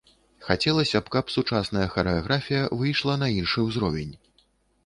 Хацелася б, каб сучасная харэаграфія выйшла на іншы ўзровень.